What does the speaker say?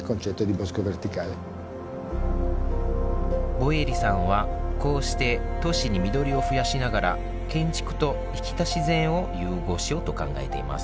ボエリさんはこうして都市に緑を増やしながら建築と生きた自然を融合しようと考えています。